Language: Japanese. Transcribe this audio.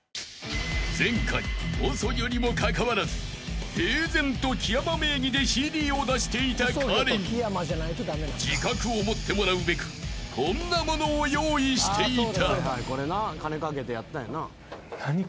［前回細魚にもかかわらず平然と木山名義でＣＤを出していた彼に自覚を持ってもらうべくこんなものを用意していた］